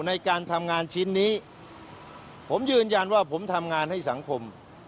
ในการทำงานชิ้นนี้ผมยืนยันว่าผมทำงานให้สังคม